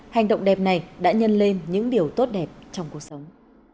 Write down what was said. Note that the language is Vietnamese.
hành động đẹp này đã nhân lên những điều tốt đẹp trong cuộc sống